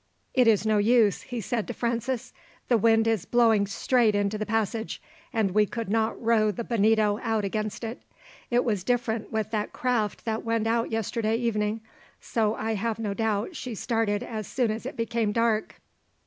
"It is no use," he said to Francis. "The wind is blowing straight into the passage, and we could not row the Bonito out against it. It was different with that craft that went out yesterday evening, for I have no doubt she started as soon as it became dark.